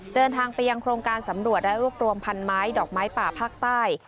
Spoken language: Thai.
เดินทางไปยังโครงการสำรวจและรวบรวมพันไม้ดอกไม้ป่าภาคใต้